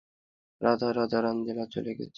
Roger, Roger, Angela চলে গেছে!